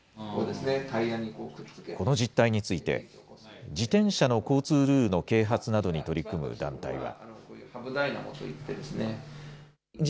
この実態について、自転車の交通ルールの啓発などに取り組む団体は。